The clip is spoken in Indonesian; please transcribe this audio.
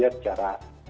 yang sedang berpengalaman